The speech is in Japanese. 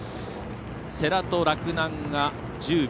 世羅と洛南が１０秒。